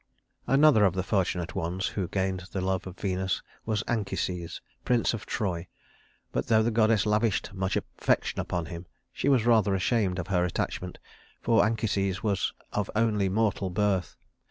III Another of the fortunate ones who gained the love of Venus was Anchises, prince of Troy; but though the goddess lavished much affection upon him, she was rather ashamed of her attachment, for Anchises was of only mortal birth.